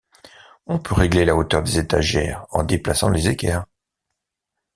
On peut régler la hauteur des étagères en déplaçant les équerres.